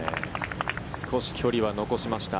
少し距離は残しました。